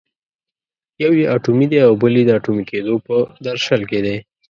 یو یې اټومي دی او بل یې د اټومي کېدو په درشل کې دی.